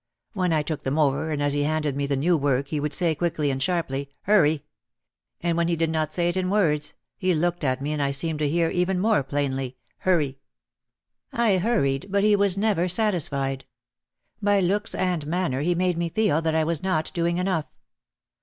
When I took them over and as he handed me the new work he would say quickly and sharply, "Hurry !" And when he did not say it in words he looked at me and I seemed to hear even more plainly, "Hurry !" I hurried but he was never satisfied. By looks and manner he made me feel that I was not doing enough.